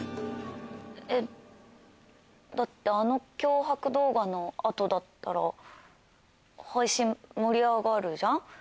えっだってあの脅迫動画の後だったら配信盛り上がるじゃん？